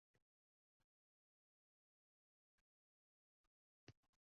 Agar o‘zaro ishonchli munosabatlar yo‘qotilgan bo‘lsachi